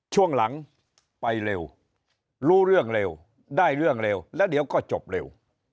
ช่วงหลังไปเร็วรู้เรื่องเร็วได้เรื่องเร็วแล้วเดี๋ยวก็จบเร็ว